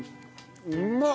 うまっ。